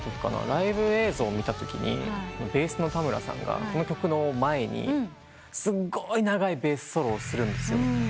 ライブ映像見たときにベースの田村さんがこの曲の前にすごい長いベースソロをするんです。